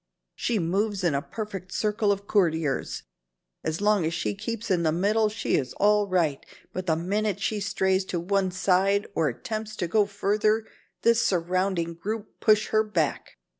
She moves in a perfect circle of courtiers. As long as she keeps in the middle she is all right, but the minute she strays to one side or attempts to go further, this surrounding group push her back.